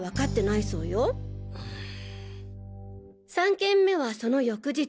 ３件目はその翌日。